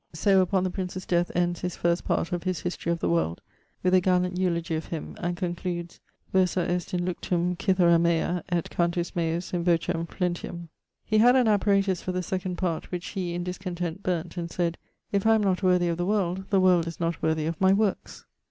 So upon the prince's death ends his first part of his History of the World, with a gallant eulogie of him, and concludes, Versa est in luctum cithara mea; et cantus meus in vocem flentium. He had[LXXVI.] an apparatus for the second part, which he, in discontent, burn't, and sayd, 'If I am not worthy of the world, the world is not worthy of my workes.'